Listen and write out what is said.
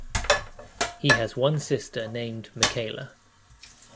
He has one sister named Mikayla.